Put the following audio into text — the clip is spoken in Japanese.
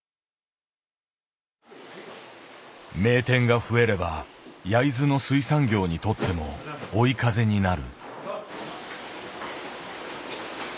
名店が増えれば焼津の水産業にとっても追い風になる。